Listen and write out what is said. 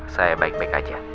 saya baik baik aja